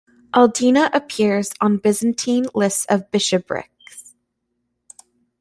Alinda appears on Byzantine lists of bishoprics.